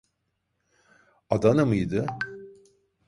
Adana mıydı?